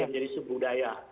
dia menjadi sub budaya